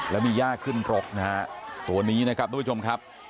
แล้วมีย่าขึ้นรกนะฮะตัวนี้นะครับทุกผู้ชมครับ